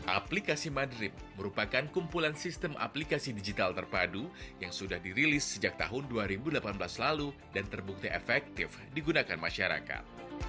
aplikasi madrib merupakan kumpulan sistem aplikasi digital terpadu yang sudah dirilis sejak tahun dua ribu delapan belas lalu dan terbukti efektif digunakan masyarakat